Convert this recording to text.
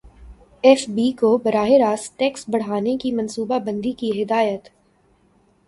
F B کو براہ راست ٹیکس بڑھانے کی منصوبہ بندی کی ہدایت